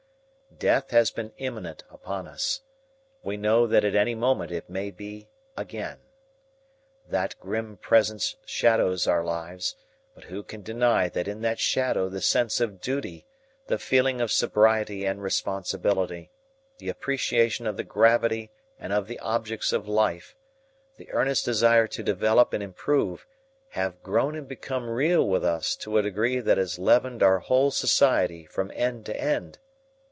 Death has been imminent upon us. We know that at any moment it may be again. That grim presence shadows our lives, but who can deny that in that shadow the sense of duty, the feeling of sobriety and responsibility, the appreciation of the gravity and of the objects of life, the earnest desire to develop and improve, have grown and become real with us to a degree that has leavened our whole society from end to end?